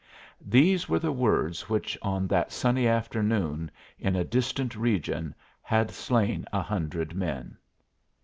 These were the words which on that sunny afternoon, in a distant region, had slain a hundred men.